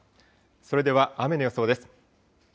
それでは、雨の予想です。